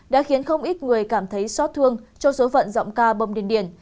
đã khiến không ít người cảm thấy xót thương cho số phận giọng ca bông điền điền